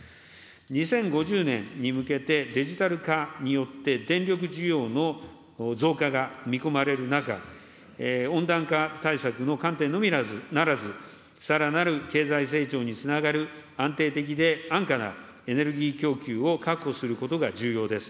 ２０５０年に向けてデジタル化によって、電力需要の増加が見込まれる中、温暖化対策の観点のみならず、さらなる経済成長につながる安定的で安価なエネルギー供給を確保することが重要です。